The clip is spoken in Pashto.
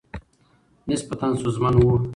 نسبتاً ستونزمن ؤ